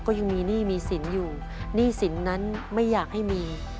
ก็ยังมีหนี้มีสินอยู่หนี้สินนั้นไม่อยากให้มี